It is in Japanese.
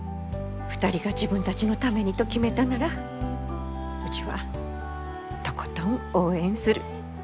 ２人が自分たちのためにと決めたならうちはとことん応援する。